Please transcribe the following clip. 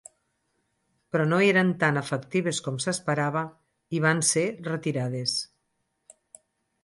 Però no eren tan efectives com s'esperava i van ser retirades.